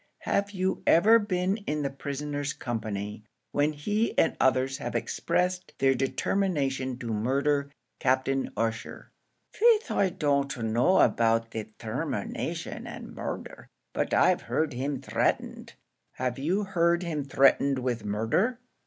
Have you ever been in the prisoner's company, when he and others have expressed their determination to murder Captain Ussher?" "Faix, I don't know about dethermination and murder, but I've heard him threatened." "Have you heard him threatened with murder?"